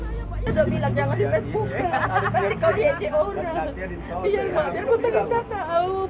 saya sudah bilang jangan di facebook nanti kau di eco